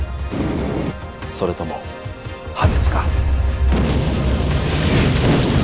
それとも破滅か。